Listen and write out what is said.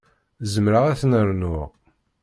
Zemreɣ ad ten-rnuɣ.